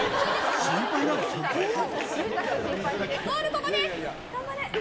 ここです。